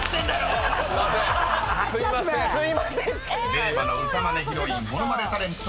［令和の歌まねヒロイン物まねタレントよよよ